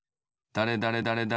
だれだれだれだれ